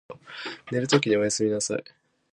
寝るときにおやすみなさい。